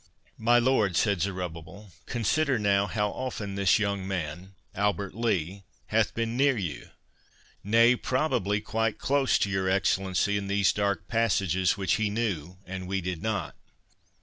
"My lord," said Zerubbabel, "consider now how often this young man, Albert Lee, hath been near you, nay, probably, quite close to your Excellency, in these dark passages which he knew, and we did not.